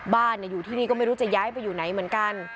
บ้านอยู่ที่นี่ก็ไม่รู้จะย้ายไปอยู่ไหนเหมือนกัน